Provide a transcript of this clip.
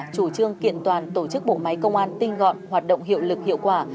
chủ trương kiện toàn tổ chức bộ máy công an tinh gọn hoạt động hiệu lực hiệu quả